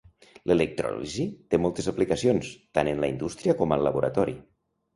L’electròlisi té moltes aplicacions, tant en la indústria com al laboratori.